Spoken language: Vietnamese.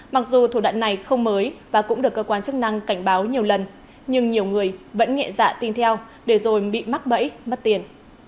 mặc dù thủ đoạn này không mới và cũng được cơ quan chức năng cảnh báo nhiều lần nhưng nhiều người vẫn nghệ dạ tin theo để rồi bị mắc bẫy mất tiền